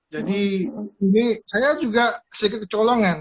jadi ini saya juga sedikit kecolongan